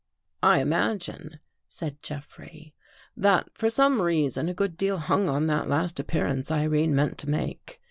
"" I imagine," said Jeffrey, " that for some reason, a good deal hung on that last appearance Irene meant to make.